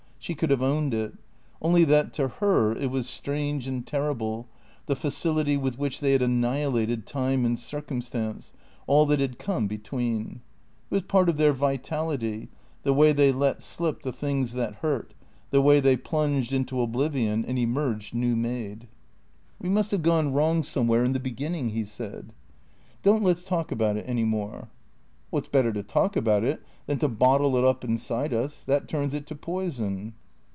She could have owned it. Only that to her it was strange and terrible, the facility with which they had annihilated time and circumstance, all that had come be tween. It was part of their vitality, the way they let slip the things that hurt, the way they plunged into oblivion and emerged new made. THECEEATOES 473 ""We must have gone wrong somewhere, in the beginning,'^ he said. "Don't let's talk about it any more." "It's better to talk about it than to bottle it up inside us. That turns it to poison."